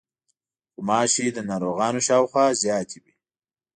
غوماشې د ناروغانو شاوخوا زیاتې وي.